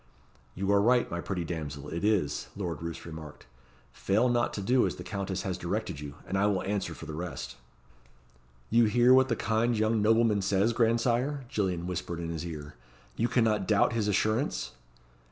"You are right, my pretty damsel, it is," Lord Roos remarked. "Fail not to do as the Countess has directed you, and I will answer for the rest." "You hear what the kind young nobleman says, grandsire?" Gillian whispered in his ear. "You cannot doubt his assurance?"